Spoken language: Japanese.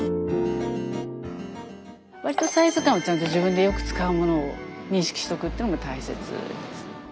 サイズ感を自分でよく使うものを認識しておくっていうのも大切です。